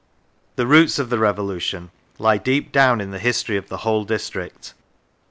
The roots of the Revolution lie deep downjn the no The Revolution history of the whole district.